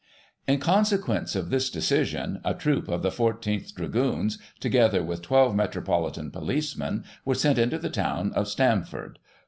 In consequence of this decision, a troop of the 14th Dragoons, together with 12 Metropolitan policemen, were sent into the town of Stamford.